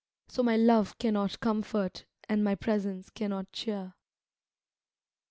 So my love cannot comfort and my presence can not cheer.